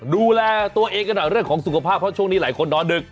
ดูแลตัวเองกันหน่อยเรื่องของสุขภาพเพราะช่วงนี้หลายคนนอนดึก